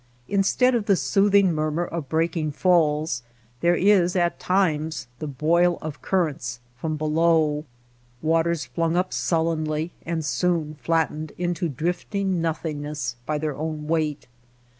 Instead of the soothing murmur of breaking falls there is at times the boil of currents from below — waters flung up sullenly and soon flattened into drifting nothingness by their own weight.